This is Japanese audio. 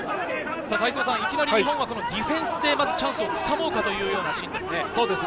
いきなり日本はディフェンスでチャンスをつかもうかというところのようなシーンですね。